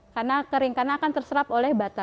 karena kering karena akan terserap oleh bata